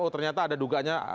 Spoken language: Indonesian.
ternyata ada dugaannya